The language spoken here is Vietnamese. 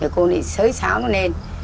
cô sới sáo nó lên